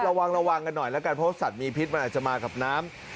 ระวังกันหน่อยเพราะสัตว์มีพิษมันอาจจะมากับน้ำ